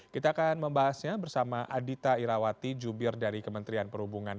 kita akan membahasnya bersama adita irawati jubir dari kementerian perhubungan